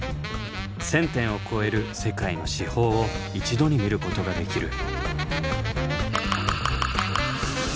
１，０００点を超える世界の至宝を一度に見ることができる。